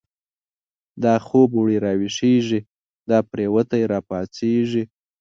دا خوب و ړی را ویښیږی، دا پریوتی را پاڅیږی